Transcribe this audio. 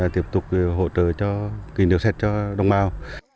tiếp tục hỗ trợ cho kinh được xét cho đồng bào